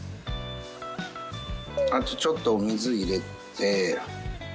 あとちょっとお水入れて。